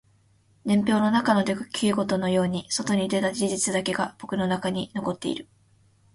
年表の中の出来事のように外に出た事実だけが僕の中に残っている